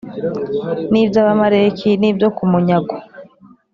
n’iby’Abamaleki n’ibyo ku munyago